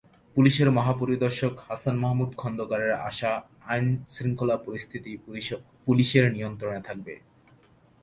পুলিশের মহাপরিদর্শক হাসান মাহমুদ খন্দকারের আশা, আইনশৃঙ্খলা পরিস্থিতি পুলিশের নিয়ন্ত্রণে থাকবে।